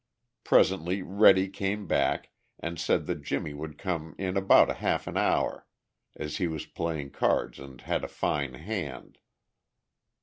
Presently Reddy came back and said that Jimmie would come in about half an hour, as he was playing cards and had a fine hand.